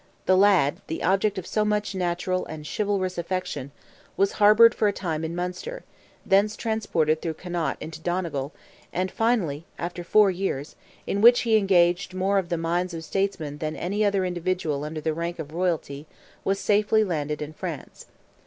The lad, the object of so much natural and chivalrous affection, was harboured for a time in Munster, thence transported through Connaught into Donegal, and finally, after four years, in which he engaged more of the minds of statesmen than any other individual under the rank of royalty, was safely landed in France.